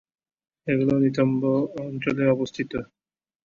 এগুলো নিতম্ব অঞ্চলে অবস্থিত।